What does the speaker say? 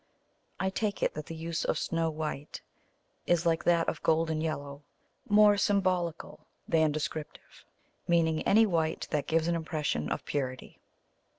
I take it that the use of "snow white" is, like that of "golden yellow," more symbolical than descriptive, meaning any white that gives an impression of purity.